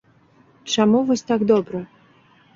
Чаму вось так добра?